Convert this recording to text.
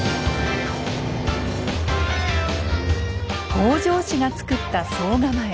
北条氏がつくった総構。